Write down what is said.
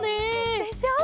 でしょう？